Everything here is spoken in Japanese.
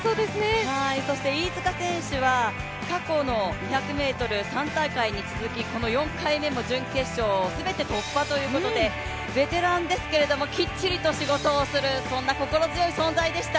そして飯塚選手は、過去の２００ｍ、３大会に続きこの４回目も準決勝を全て突破ということでベテランですけれどもきっちりと仕事をするそんな心強い存在でした。